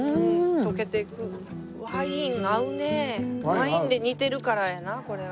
ワインで煮てるからやなこれ。